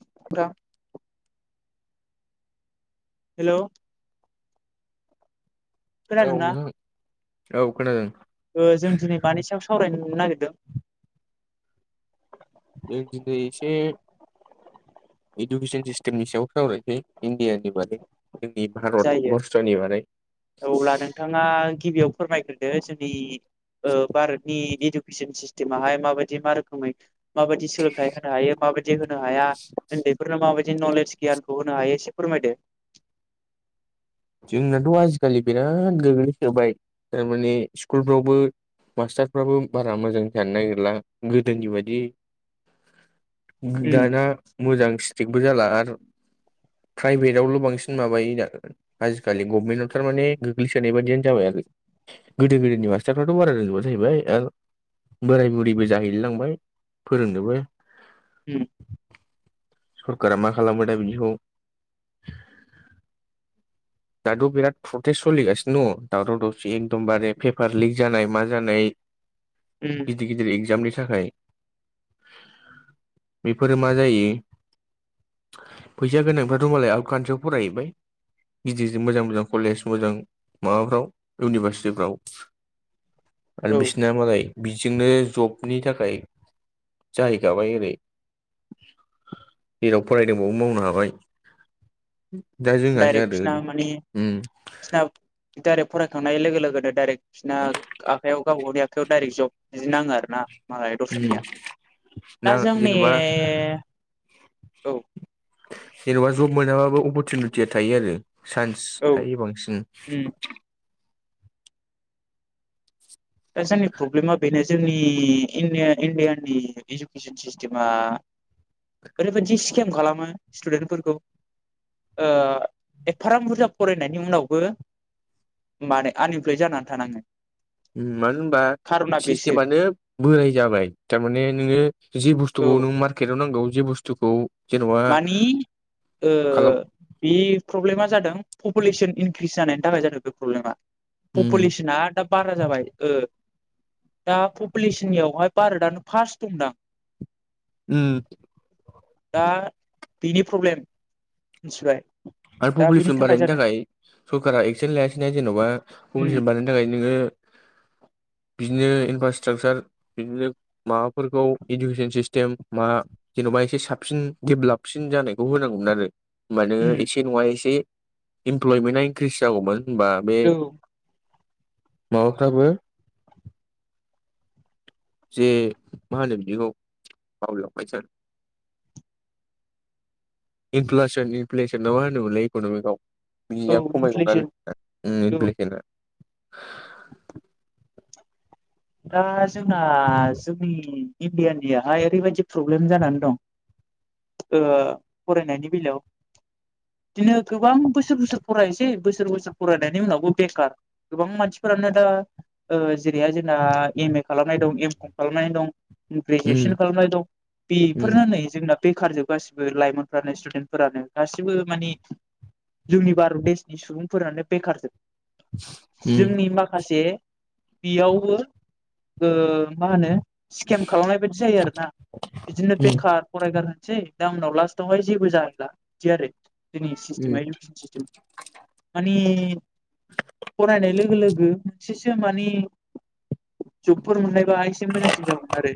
[unintelligible] हेल' औ खोनादोंना नोंथां औ खोनादों। ओ जों दिनै मानि सायाव सावरायनो नागिरदों। जों दिनै एसे इडुकेसन सिस्टेमनि सायाव सावरायनोसै इण्डियानि बागै। जोंनि जायो भारतबर्षनि बारै। अब्ला नोंथाङा गिबियाव फोरमायग्रोदो जोंनि ओ भारतनि इदु खिसन स्थिथिमाहाय माबायदि मा रोखोमै माबायदि सोलोंथाय होनो हायो माबा दि होनो हाया उन्दैफोरनो माबायदि नलेज गियानखौ होनो हायो एसे फोरमायदो‌। जोंनाथ' आजिखालि बिराद गोग्लैसोबाय थारमाने स्कुलफ्रावबो मास्टारफ्राबो बारा मोजां जानो नागिरला गोदोनि बायदि। गो उम दाना मोजां स्ट्रिकबो जाला आरो प्राइभेटावल' बांसिन माबायो दा। आजिखालि गभमेन्टआव थारमाने गोग्लैसोनाय बायदियानो जाबाय आरो। गोदो गोदोनि मास्थाफ्राथ' बारा रोंजोबबा जाहैबाय आरो बोराय बुरिबो जाहैलायलांबाय फोरोंनोबो उम सरखारा मा खालामबाय दा बिदिखौ दाथ' बिराद प्रटेस्ट सोलिगासिनो दङ दावराव दावसि एकदमबारे पेपार लिक जानाय मा जानाय। [inaudible] उम गिदिर - गिदिर एक्जामनि थाखाय। बेफोरो मा जायो। फैसा गोनांफ्राथ' मालाय आउट कान्ट्रियाव फरायहैबाय। गिदिर-गिदिर मोजां-मोजां कलेज मोजां माबाफ्राव इउनिभारसिटिफ्राव। आरो औ बिसिना मालाय बिजोंनो जबनि थाखाय जाहैखाबाय ओरै। जेराव फरायदों बावनो मावनो हाबाय दा जोंहा जा बिसना माने बिसिना डाइरेक्ट फरायखांनाय लोगो लोगोनो डाइरेक्ट बिसना आखाइयाव गावबा गावनि आखायाव डाइरेक्ट जब बिदि नाङो आरो ना। मालाय दस्रानिया उम ना दा जोंनि जेन'बा औ जेन'बा जब मोनाबाबो अपरतिलुटिया थायो आरो चान्स औ थायो बांसिन। उम दा जोंनि प्रब्लेमा बेनो जोंनि इण्डियान इण्डियानि इडुकेसन सिस्टेमा ओरैबायदि स्केम खालामो स्टुदेन्टफोरखौ ओ एफाराब बुरजा फरायनायनि उनावबो माने आनइमप्लय जानानै थानाङो। उम मानो होनबा खार'ना बेसो सिस्टेमानो बोराय जाबाय थारमाने नोङो जे औ बुस्थुखौ नुमार केटआव नांगौे जे बुस्थुखौ जेन'बा मानि ओ खालाम बे प्रब्लेमा जादों पपुलेसन इनक्रिस जानायनि थाखाय जादों बे प्रब्लेमा। उम पपुलेसना दा बारा जाबाय ओ दा पपुलेसननियावहाय भारतआनो फार्स्ट दंदां। उम। दा बिनो प्रब्लेम मिथिबाय। आरो दा बेनि पपुलेसन बानायनो जादों थाखाय सरकारा एक्सन लायासैना जेन'बा उम पपुलेसन बानायनो थाखाय नोङो बिदिनो इनफ्रास्ट्राकचार बिदिनो माबाफोरखौ इडुकेसन सिस्टेम मा जेन'बा एसे साबसिन देभेलपसिन जानायखौ होनांगौमोन आरो। होमबानो उम एसे नङा एसे इमप्लयमेन्टआ इनक्रिस जागौमोन होमबा बे माबाफ्राबो जे मा होनो बिदिखौ बावलायलांबाय सो आं। इनफ्लासन इनफ्लेसन ना मा होनोमोनलाय इक'नमिकआव? औ बिनिया इनफ्लेसन औ खमायगोमोन [unintelligible] दा जोंना जोंनि इण्डियानियाहाय ओरैबायदि प्रब्लेम जानानै दं। ओ फरायनायनि बेलायाव बिदिनो गोबां बोसोर बोसोर फरायनोसै बोसोर बोसोर फरायनायनि उनावबो बेखार। गोबां मानसिफोरानो दा ओ जेरैहाय जों ना एम ए खालामनाय दं एम कम खालामनानै दं। उम ग्रेजुवेसन खालामनाय दं उम बेफोरनो नै जोंना बेखार जोब गासिबो लाइमोनफ्रानो स्टुदेन्टफोरानो गासिबो माने जोंनि भारत देशनि सुबुंफोरानो बेखारजोब। उम जोंनि माखासे बेयाव बो ओ मा होनो स्केम खालामनाय बादि जायो आरो ना बिदिनो उम बेखार फरायगारनोसै दा उनाव लास्टआवहाय जेबो जाहैला बिदि आरो। जोंनि उम सिस्टेमा इदुकेसन सिस्टेम। माने फरायनाय लोगो लोगो मोनसेसो माने जबफोर मोननायबा एसे मोजांसिन जागौमोन आरो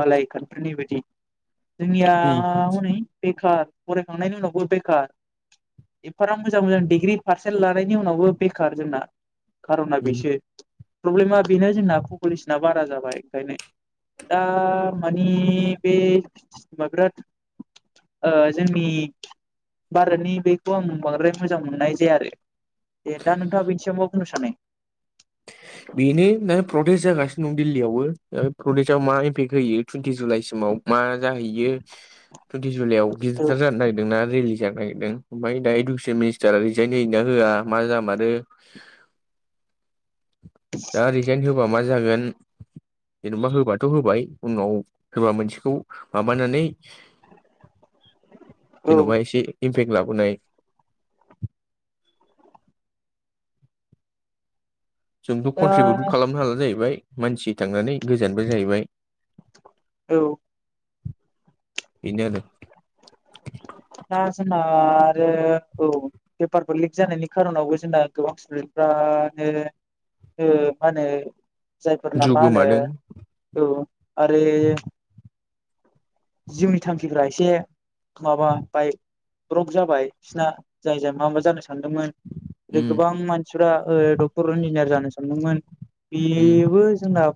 मालाय खान्ट्रिनि बायदि। जोंनिया उम हनै बेखार फरायखांनायनि उनावबो बेखार। एफाराब मोजां मोजां डिग्रि पारसेन्ट लानायनि उनावबो बेखार जोंना खार'ना उम बेसो। प्रब्लेमा बेनो जोंना पपुलेसना बारा जाबाय ओंखायनो। दा माने बे सिस्टेमा बेरात ओ जोंनि भारतनि बेखौ आं बांद्राय मोजां मोननाय जाया आरो। दे दा नोंथाङा बेनि सायाव मा बुंनो सानो? [inaudible] बेनो दा प्रटेस्ट जागासिनो दं दिल्लीयावबो दा प्रटेस्टआव मा इपेक्ट होयो टुइनन्टि जुलाइसिमाव। मा जाहैयो टुइनन्ति जुलायाव गिदिरथार औ जानो नागिरदोंना रेलि। जानो नागिरदों ओमफ्राय दा इडुकेसन मिनिस्टारा रिजाइन होयोना होआ मा जामारो दा रैजाइन होबा मा जागोन। जेनेबा होबाथ' होबाय उनाव होबा मोनसेखौ माबानानै जेन'बा एसे इमपेक्ट लाबोनाय जोंथ' कन्ट्रिबिउटखौ दा खालामनो हाला जाहैबाय मानसि थांनानै गोजानबो जाहैबाय। औ। बिनो आरो दा जोंहा आरो औ पेपारफोर लिक जानायनि कार'नावबो जोंना गोबां स्टुदेन्ट फ्रानो ओ मा होनो जायफोरना जिउ मा होनो गोमादों औ आरो जिउनि थांखिफ्रा एसे माबा बाइक र'क जाबाय बिसना जायजाय मा मा जानो सानदोंमोन ओ उम गोबां मानसिफ्रा ओ दं डक्टर' इन्जिनियार जानो सानदोंमोन उम बेबो जोंना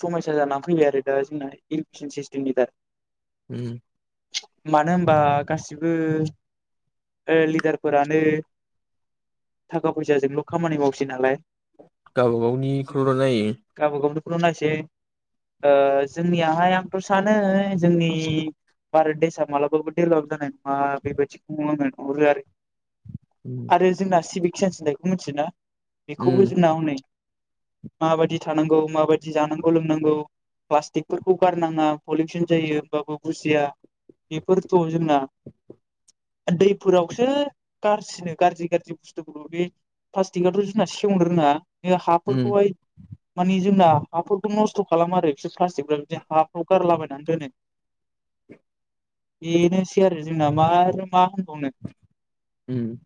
समयसा जानानै फैबाय आरो दा जोंना इडुकेसन सिस्टेमनि दार उम मानो होनबा गासिबो ओ लिडारफोरानो थाखा फैसाजोंल' खामानि मावसै नालाय गाव-गावनिखौल' नों नायो गावबा गावनिखौल' नायसै ओ जोंनियाहाय आंथ' सानो जोंनि भारत देसाआ मालाबाबो डेभेलप जानाय नङा बेबायदिखौल'नो नुहरो आरो उम बे जोंना सिभिक सेन्स होननायखौ मिथियोना? बेखौबो उम जोंना हनै माबायदि थानांगौ माबायदि जानांगौ लोंनांगौ प्लास्टिकफोरखौ गारनाङा पलिउसन जायो होमबाबो बुजिया बेफोरथ' जोंना दैफोरावसो ग्रिसिनो गाज्रि गाज्रि बुस्थुफोरखौ बे प्लास्टिकआथ' जोंना सेवनो रोङा उम हाफोरखौहाय मानि जोंना हाफोरखौ नस्थ' खालाम आरो एस प्लास्टिक बिदि हाखौव गारलाबाय नन्दनोै बेनोसै आरो जोंना मा मा होनबावनो ओम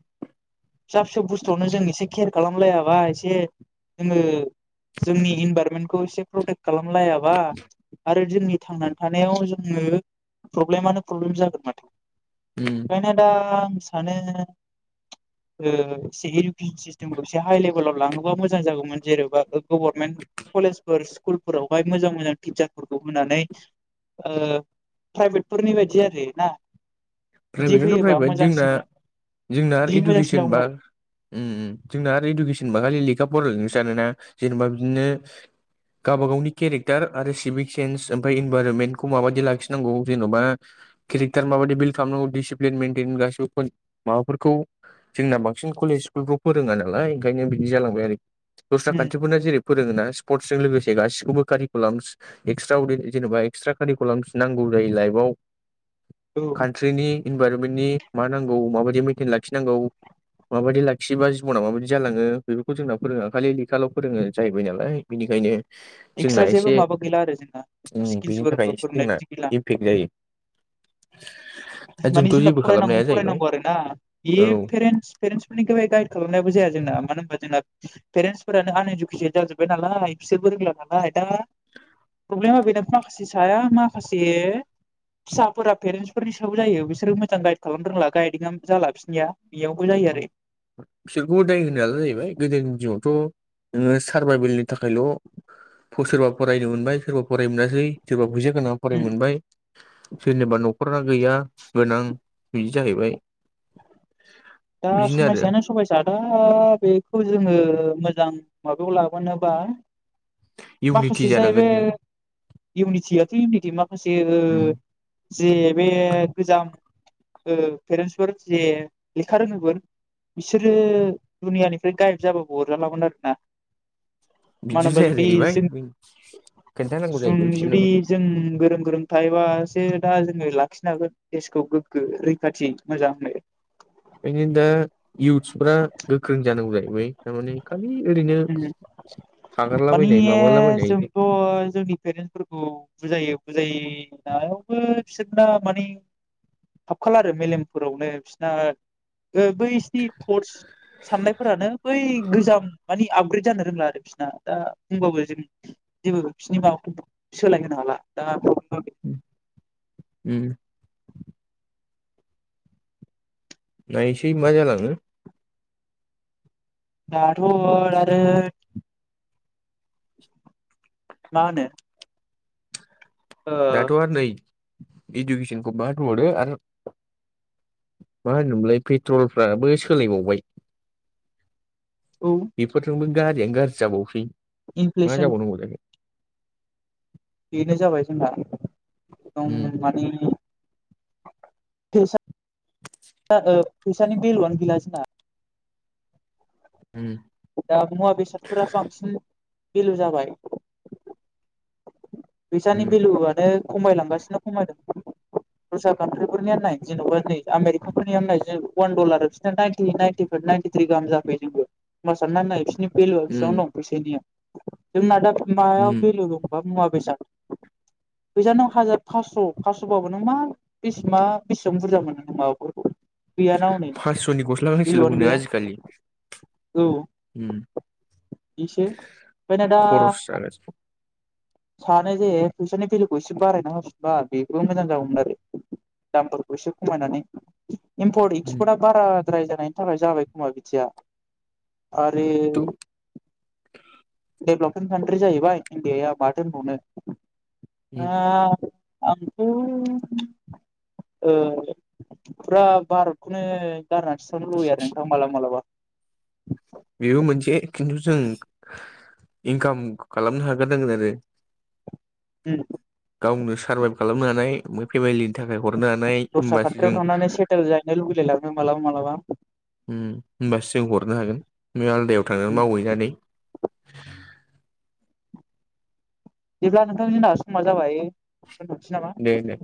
फिसा फिसौ बुस्थुआवनो जों एसे केयार खालामलायाबा एसे जोङो जोंनि इनभाररमेन्टखौ एसे प्रटेक्ट खालामलायाबा आरो जोंनि थांनानै थानायाव जोङो प्रब्लेमानो प्रब्लेम जागोन माथो। उम ओंखायनो दा आं सानो ओ एसे एदुके सिस्टेमखौ एसे हाइ लेभेलाव लाङोबा मोजां जागौमोन जेनेबा गभारनमेन्ट कलेज फोर स्कुलफोरावहाय मोजां मोजां टिचारफोरखौ होनानै प्राइभेटफोरनि बायदि आरो ना। बिदि प्राइभेटआथ' होयोबा प्राइभेट जोंना मोजांसिन जोंना बिदि मोजांसिन इडुकेसन जागौमोन बा आरो उम जोंना आरो इडुकेसनबा खालि लेखा बर' लसो सानोना जेनेबा बिदिनो गाबा गावनि केरेक्टार आरो सिभिक सेन्स ओमफ्राय इनभाइरनमेन्टखौ माबायि लाखिनांगौ जेन'बा केरेक्टार माबायदि बिल्ड खालामनांगौ डिसिप्लिन मेटेन गासिबो फन माबाफोरखौ जोंना बांसिन कलेज स्कुलफ्राव फोरोङा नालाय ओंखायनो बिदि जालांबाय आरोखि दस्रा उम कान्ट्रिफोरना जेरै फोरोङोना स्पर्टसजों लोगोसे गासिखौबो कारिकुलाम एक्सट्रा उदै जेनेबा एक्सट्रा कारिकलम नांगौ जायो लाइफाव औ ट्रिनि इनभाररमेन्टनि मा नांगौ माबायदि मेइन्टेन लाखिनांगौ माबायदि लाखियोबा जिबनााव माबायदि जालाङो बेफोरखौ जोंना फोरोङो खालि लेखाल' फोरोङो जाहैबाय नालाय बेनिखायनो जोंना एक्सट्रा जेबो एसे माबा गैला आरो जोंना बेनि उम स्किल्सफोरबो थाखायनो एसे फोरोंनाय जोंना बिदि गैला इमपेक्ट जायो। [inaudible] मानि जोंना जेबो खालामनो फरायनांगौ हाया जाहैबाय फरायनांगौ आरो ना बे औ पेरेन्टस पेरेन्टसफोरनिख गाइड खालामनायाबो जाया जोंना मानो होनबा जोंना पेरेन्टसफोरानो आन इडुकेटेड जाजोब्बाय नालाय बिसोरबो रोंला नालाय दा प्रब्लेमा बेनो माखासे साया माखासे फिसाफोरा पेरेन्टसफोरनि बेफ्रावबो जायो बिसबो मोजां गाइद खालाम रोंला गाइदिंआ जाला बिसिनिया बेयावबो जायो आरो बिसोरखौ उदाय होनायालाय जाहैबाय गोदोनि दिनावथ' नोङो सारभाइबेलनि थाखायल' सोरबा फरायनो मोनबाय सोरबा फराय मोनासै सोरबा फैसा गोनां फराय उम मोनबाय सोरनोबा न'खरा गैया गोनां बिदि जाहैबाय दा बिदिनो आरो सुखुमायसेयानो समाय जादा बेखौ जोङो मोजां माबायाव लाबोनोबा इउनिटि माखासे जाहै बे जानांगोन नों इउनिटियाथ' इउनिटि माखासे ओ उम जे बे गोजाम पेरेन्टसफोर जे लेखा रोङैफोर बिसोरो दुनियानिफ्राय गाइब जाबाबो अरजालामोन आरोना मानो बिदिबो होनबा जाया जुदि जाहैबाय जों खोन्थानांगौ जों जाहैबाय जुदि बिसोरनोबो जों गोरों गोरों थायोबासो दा जोङो लाखिनो हागोन देसखौ गोग्गो रैखाथि मोजां होनो ओखायनो दा इउथ्सफ्रा गोख्रों जानांगौ जाहैबाय थारमाने खालि ओरैनो माने थागारलाबायनाय माबालाबायनाय पेरेन्सफोरखौ बुजायो बुजायनायावबो बिसोर दा माने हाब खाला आरो मेलेमफोरावनो बिसना ओ बैसिनि टडस साननायफोरानो बै गोजाम आपग्रेद जानो रोंला आरो बिसना दा बुंबाबो जों जेबो बिसोरनि माबाखौ सोलाय होनोनो हाला द उम नायसै मा जालाङो दाथ' आरो मा होनो ओ दाथ' आरो नै इडुकेसनखौ बाद होबावदो आरो मा होनोमलाय पेट्रलफ्राबो सोलायबावबाय औ बेफोरजोंबो गारियानो गाज्रि जाबावसै मा इनफ्लेसन जाबावनांगौ जायाखो बेनो जाबाय जोंहा उम एकदम माने फैसा ओ फैसानि बेलुआनो गैला जोंना उम दा मुवा बेसादफोरासो बांसिन बेेलु जाबाय फैसानि उम भेलुआनो खमायलांगासिनो खमायदों दस्रा कान्ट्रिफोरनिय नाय जेन'बा नै आमेरिकाफोरनियानो नाय अवान दलार बिसोर नाइनटि नाइनटि नयनटिट्रि गाहाम जाफैयो जोंबो होनबा सानना नाय बिसिनि भेलुआ बेसेबां उम दं फैसनिया जोंना दा उम मायाव बेेलु दं होनबा मुवा बेसाद फैस नक हाजार फास्स' फासस'बाबो नों मा बेसेबा मा बेसेबां बुरजा मोनोनों माबाफोरखौ गैयाना हनै फासस'नि गस्ला गांसेल' भेलुआनो मोनो गैया आजिखालि उम इसो फाय ना दा खरस जागासिनो सानो जे फैसानि भेलुखौ एसे बारायना होरफिनबा बेबो मोजां जागौमोन आरो दामफोरखौ एसे खमायनानै इम्पर्ट उम एक्सपर्टआ बाराद्राय जानायनि थाखाय जाबाय खोमा बिदिया आरो खिन्थु डेभलपिं कान्ट्रि जाहैबाय इण्डियाया माथो होनबावनो उम दा आं [inaudible] ओ फुरा भारतखौनो गारनानैसोथांनो लुबयो आरो नोंथां मालाबा मालाबा बेबो मोनसे खिन्थु जों इनकाम खालामनो हागारनांगोन आरो उम गावनो सार्भाइभ खालामनो हानायम फेमिलिनि थाखाय हरनो हानाय दस्रा होमबासो जों खाथियाव थांनानै सेटेल जाहैनो लुबैलाय लाङो मालाबा उम होमबासो जों हरनो हागोन बे आलदायाव थांनानै उम मावहैनानै दिब्ला नोंथां जोंना समा जाबाय दोनथ'नोसै नामा दे दे